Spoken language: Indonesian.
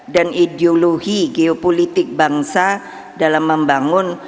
dan ideologi geopolitik bangsa dalam membangun